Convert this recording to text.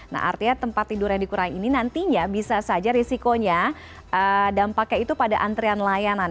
nah artinya tempat tidur yang dikurangi ini nantinya bisa saja risikonya dampaknya itu pada antrian layanan